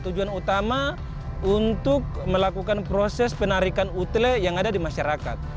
tujuan utama untuk melakukan proses penarikan utle yang ada di masyarakat